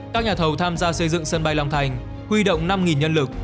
các nhà thầu tham gia xây dựng sân bay long thành huy động năm nhân lực